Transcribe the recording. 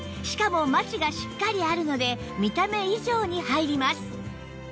しかもマチがしっかりあるので見た目以上に入ります